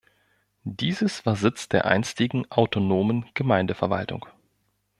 Dieses war Sitz der einstigen autonomen Gemeindeverwaltung.